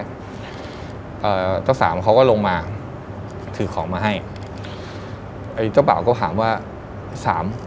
เอ่อเจ้าสามเขาก็ลงมาถือของมาให้ไอ้เจ้าบ่าวก็ถามว่าสาม